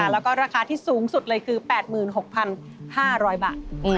แล้วก็ราคาที่สูงสุดเลยคือ๘๖๕๐๐บาท